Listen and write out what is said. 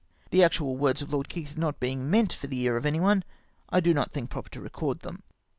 The actual words of Lord Keith not being meant for the ear of any one, I do not think proper to record them.